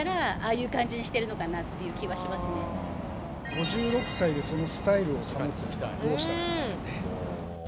５６歳でそのスタイルを保つ秘訣どうしたらいいんですかね。